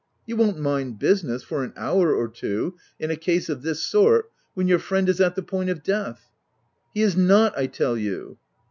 You won't mind business, for an hour or two, in a case of this sort — when your friend is at the point of death I" " He is not, I tell you